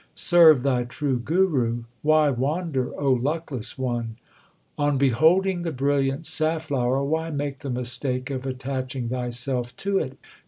Serve thy true Guru ; why wander, O luckless one ? On beholding the brilliant safflower, why make the mistake of attaching thyself to it